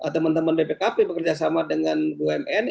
teman teman bpkp bekerja sama dengan bumn